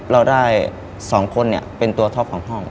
เราได้๒คนเป็นตัวท็อปของห้อง